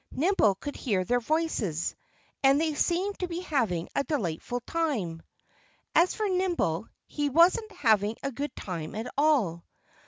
Nimble could hear their voices. And they seemed to be having a delightful time. As for Nimble, he wasn't having a good time at all.